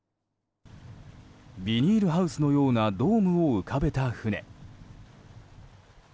ビニールハウスのようなドームを浮かべた船。